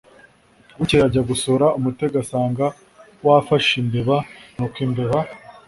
bukeye ajya gusura umutego asanga wafashe imbeba nuko imbeba